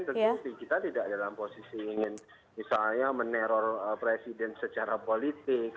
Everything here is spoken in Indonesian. tetapi kita tidak dalam posisi ingin misalnya meneror presiden secara politik